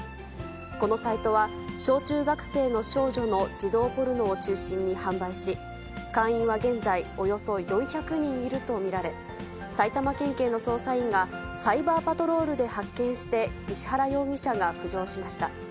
このサイトは、小中学生の少女の児童ポルノを中心に販売し、会員は現在、およそ４００人いると見られ、埼玉県警の捜査員がサイバーパトロールで発見して、石原容疑者が浮上しました。